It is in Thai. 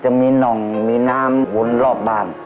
จะมีนํำนะรมวนรอบบ้าน